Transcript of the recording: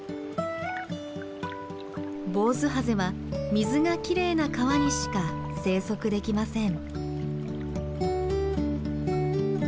ボウズハゼは水がきれいな川にしか生息できません。